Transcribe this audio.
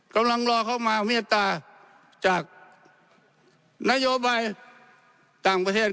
กำลังรอเข้ามาเมตตาจากนโยบายต่างประเทศ